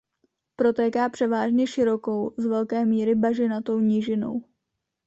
Protéká převážně širokou z velké míry bažinatou nížinou.